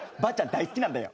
大好きなんだよ。